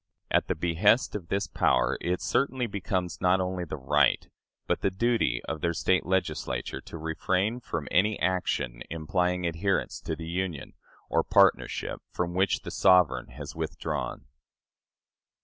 At the behest of this power, it certainly becomes not only the right, but the duty, of their State Legislature to refrain from any action implying adherence to the Union, or partnership, from which the sovereign has withdrawn.